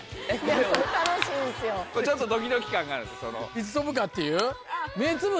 いつ飛ぶかっていう。